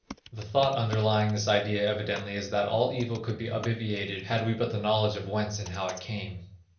The thought underlying this idea evidently is that all evil could be obviated had we but the knowledge of whence and how it came.